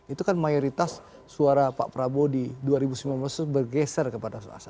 itu kan mayoritas suara pak prabowo di dua ribu sembilan belas itu bergeser kepada suasana